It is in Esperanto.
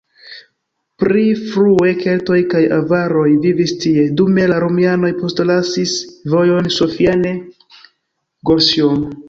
Pli frue keltoj kaj avaroj vivis tie, dume la romianoj postlasis vojon Sophiane-Gorsium.